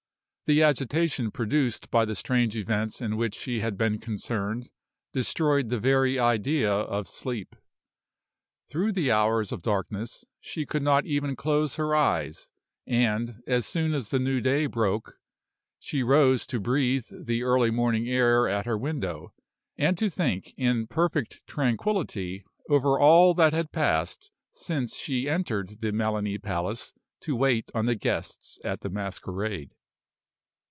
The agitation produced by the strange events in which she had been concerned destroyed the very idea of sleep. Through the hours of darkness she could not even close her eyes; and, as soon as the new day broke, she rose to breathe the early morning air at her window, and to think in perfect tranquillity over all that had passed since she entered the Melani Palace to wait on the guests at the masquerade.